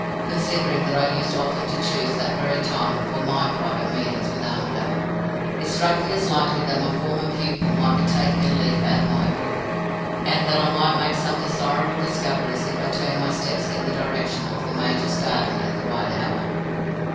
Considering that I used often to choose that very time for my private meetings with Armadale, it struck me as likely that my former pupil might be taking a leaf out of my book, and that I might make some desirable discoveries if I turned my steps in the direction of the major's garden at the right hour.